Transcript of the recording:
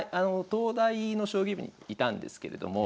東大の将棋部にいたんですけれども。